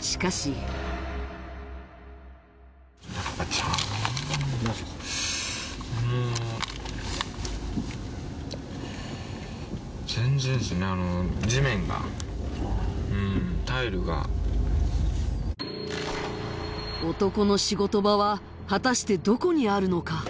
しかしうーん男の仕事場は果たしてどこにあるのか？